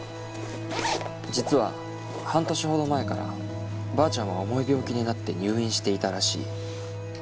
実は半年前ほどからばあちゃんは重い病気になって入院していたらしい。